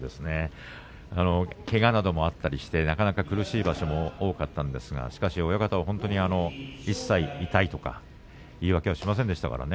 けがなどもあって苦しい場所も多かったんですが親方は本当に一切痛いとか言い訳をしませんでしたからね。